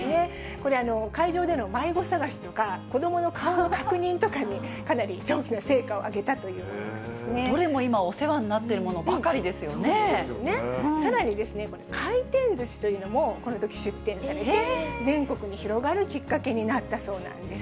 これ、会場での迷子探しとか、子どもの顔の確認とかに、かなり成果を上げたということなんですどれも今、お世話になっていさらにですね、回転ずしというのもこのとき出展されて、全国に広がるきっかけになったそうなんです。